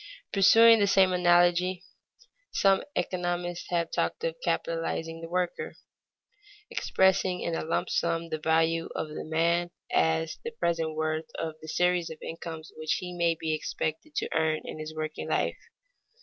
Pursuing the same analogy some economists have talked of capitalizing the worker, expressing in a lump sum the value of the man as the present worth of the series of incomes which he may be expected to earn in his working life.